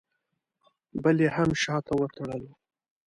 بل یې هم شاته وتړلو.